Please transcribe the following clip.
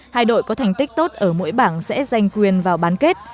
hai đội có thành tích tốt ở mỗi bảng sẽ giành quyền vào bán kết